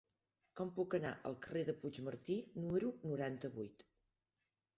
Com puc anar al carrer de Puigmartí número noranta-vuit?